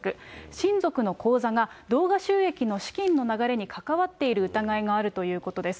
親族の口座が動画収益の資金の流れに関わっている疑いがあるということです。